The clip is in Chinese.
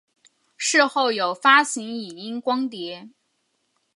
事后有发行影音光碟。